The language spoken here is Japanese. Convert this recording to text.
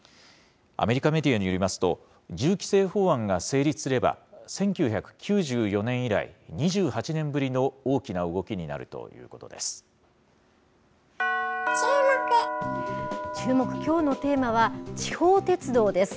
アメリカメディアによりますと、銃規制法案が成立すれば、１９９４年以来、２８年ぶりの大きな動きになるということです。